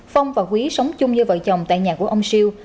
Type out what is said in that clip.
phong và quý sống chung như vợ chồng tại nhà của ông siêu